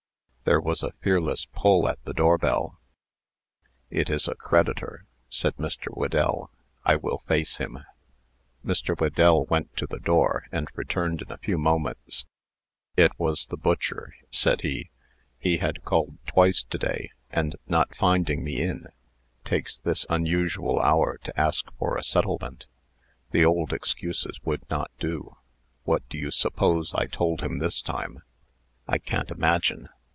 There was a fearless pull at the door bell. "It is a creditor," said Mr. Whedell. "I will face him." Mr. Whedell went to the door, and returned in a few moments. "It was the butcher," said he. "He had called twice to day, and, not finding me in, takes this unusual hour to ask for a settlement. The old excuses would not do. What do you suppose I told him this time?" "I can't imagine.